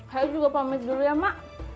saya juga pamit dulu ya mak